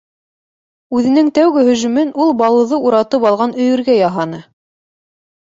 Үҙенең тәүге һөжүмен ул Балуҙы уратып алған өйөргә яһаны.